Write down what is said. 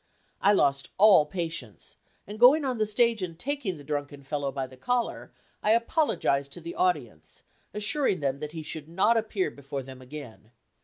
I lost all patience, and going on the stage and taking the drunken fellow by the collar, I apologized to the audience, assuring them that he should not appear before them again.